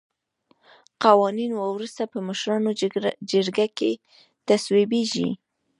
قوانین وروسته په مشرانو جرګه کې تصویبیږي.